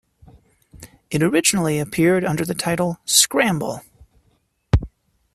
It originally appeared under the title "Scramble".